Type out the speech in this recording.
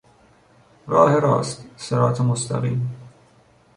راه راست، صراط مستقیم